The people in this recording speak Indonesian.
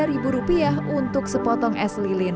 rp lima untuk sepotong es lilin